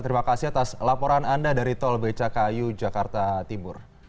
terima kasih atas laporan anda dari tol becakayu jakarta timur